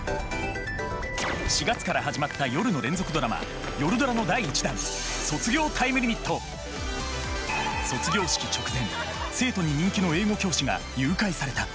４月から始まった夜の連続ドラマ「夜ドラ」の第１弾卒業式直前生徒に人気の英語教師が誘拐された。